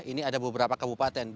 ini ada beberapa kabupaten